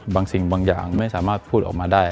บางสิ่งบางอย่างไม่สามารถพูดออกมาได้